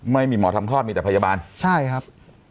ไม่มีหมอทำคลอดมีแต่พยาบาลใช่ครับ